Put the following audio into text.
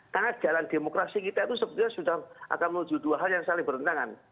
karena jalan demokrasi kita itu sebetulnya sudah akan menuju dua hal yang saling berhentangan